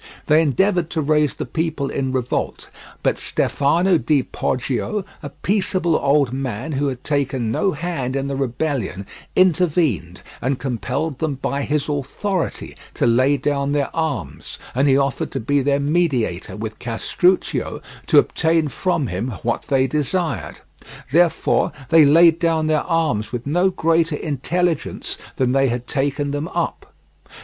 They endeavoured to raise the people in revolt, but Stefano di Poggio, a peaceable old man who had taken no hand in the rebellion, intervened and compelled them by his authority to lay down their arms; and he offered to be their mediator with Castruccio to obtain from him what they desired. Therefore they laid down their arms with no greater intelligence than they had taken them up.